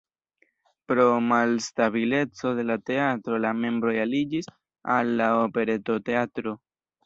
Pro malstabileco de la teatro la membroj aliĝis al la Operetoteatro.